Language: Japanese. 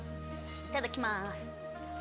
いただきます！